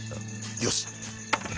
よし。